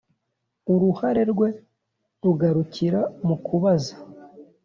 uruhare rwe rugarukira mu kubaza,